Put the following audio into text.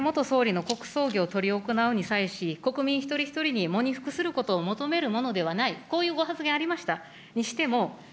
今般、安倍元総理の国葬儀を執り行うに際し、国民一人一人に喪に服することを求めるものではない、こういうご発言ありました。